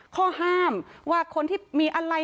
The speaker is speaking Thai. ข้อห้ามว่าคนที่มีอะไร